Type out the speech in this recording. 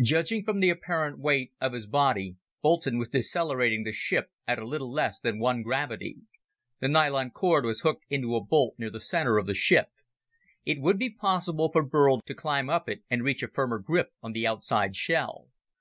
Judging from the apparent weight of his body, Boulton was decelerating the ship at a little less than one gravity. The nylon cord was hooked into a bolt near the center of the ship. It would be possible for Burl to climb up it and reach a firmer grip on the outside shell.